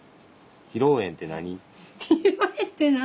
披露宴って何？